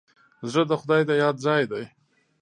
زړه د خدای د یاد ځای دی.